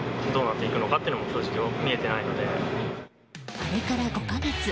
あれから５か月。